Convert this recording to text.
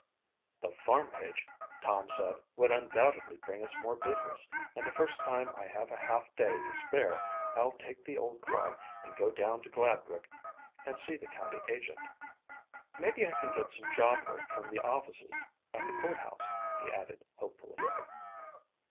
"The farm page," Tom said, "would undoubtedly bring us more business and the first time I have a half day to spare I'll take the old car and go down to Gladbrook and see the county agent. "Maybe I can get some job work from the offices at the courthouse," he added hopefully.